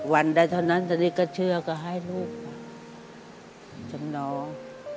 วันได้เท่านั้นตอนนี้ก็เชื่อก็ให้ลูกจำนอง